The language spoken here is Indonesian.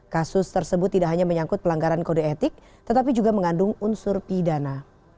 kasus tersebut tidak hanya menyangkut pelanggaran kode etik tetapi juga mengandung unsur pidana